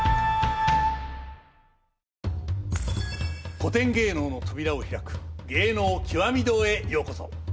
古典芸能の扉を開く「芸能きわみ堂」へようこそ！